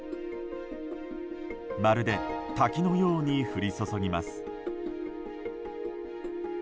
まるで滝のように降り注ぎます。